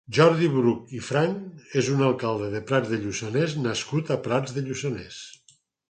Jordi Bruch i Franch és un alcalde de Prats de Lluçanès nascut a Prats de Lluçanès.